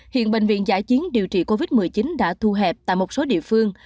hiện bệnh viện giải chiến điều trị covid một mươi chín đã thu hẹp tại một số địa phương